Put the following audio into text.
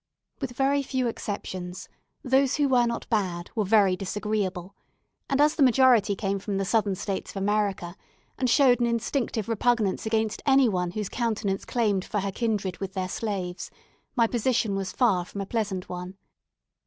With very few exceptions, those who were not bad were very disagreeable, and as the majority came from the Southern States of America, and showed an instinctive repugnance against any one whose countenance claimed for her kindred with their slaves, my position was far from a pleasant one.